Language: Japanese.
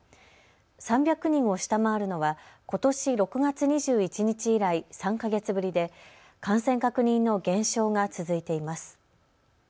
３００人を下回るのはことし６月２１日以来３か月ぶりで感染確認の減少が続いています。